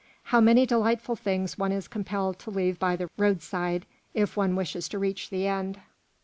How many delightful things one is compelled to leave by the roadside, if one wishes to reach the end.